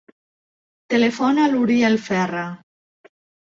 Telefona a l'Uriel Ferra.